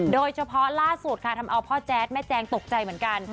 โดยเฉพาะล่าสุดค่ะทำเอาพ่อแจ๊ดแม่แจงตกใจเหมือนกัน